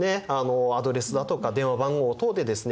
アドレスだとか電話番号等でですね